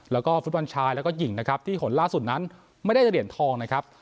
แล้วก็ฟุตบอลชายแล้วก็หญิงนะครับที่ผลล่าสุดนั้นไม่ได้เหรียญทองนะครับ